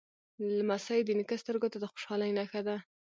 لمسی د نیکه سترګو ته د خوشحالۍ نښه ده.